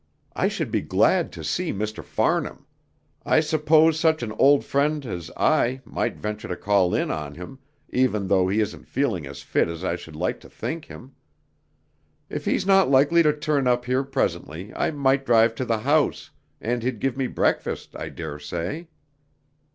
I should be glad to see Mr. Farnham. I suppose such an old friend as I might venture to call in on him, even though he isn't feeling as fit as I should like to think him. If he's not likely to turn up here presently I might drive to the house, and he'd give me breakfast, I daresay."